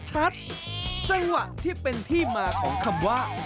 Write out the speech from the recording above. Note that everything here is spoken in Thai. จังหวะที่เป็นที่มาของคำว่า